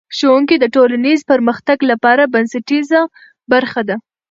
ښوونځی د ټولنیز پرمختګ لپاره بنسټیزه برخه ده.